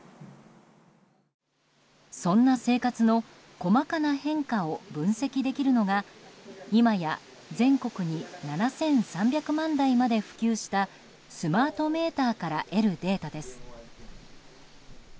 そんな生活の細かな変化を分析できるのが今や全国に７３００万台まで普及したスマートメーターから得るデータです。